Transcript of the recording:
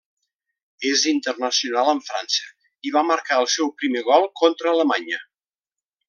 És internacional amb França i va marcar el seu primer gol contra Alemanya.